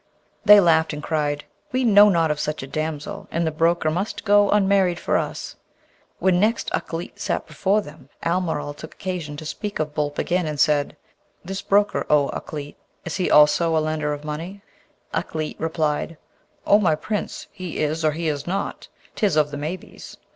They laughed, and cried, 'We know not of such a damsel, and the broker must go unmarried for us.' When next Ukleet sat before them, Almeryl took occasion to speak of Boolp again, and said, 'This broker, O Ukleet, is he also a lender of money?' Ukleet replied, 'O my Prince, he is or he is not: 'tis of the maybes.